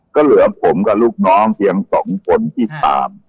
ก็เหลือผมกับลูกน้องเพียง๒คนที่ตาม